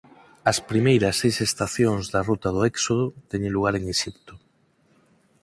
As primeiras seis estacións da ruta do Éxodo teñen lugar en Exipto.